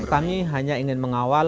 kami hanya ingin mengawasi